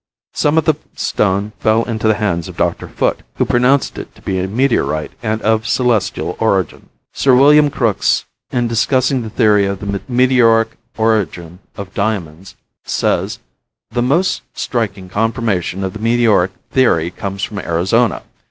Some of the stone fell into the hands of Dr. Foote, who pronounced it to be meteorite and of celestial origin. Sir William Crookes in discussing the theory of the meteoric origin of diamonds says "the most striking confirmation of the meteoric theory comes from Arizona.